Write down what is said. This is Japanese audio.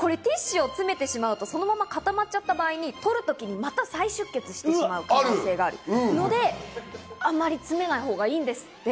詰めてしまうと固まっちゃった場合に、取るときにまた再出血してしまう可能性があるので、あんまり詰めないほうがいいんですって。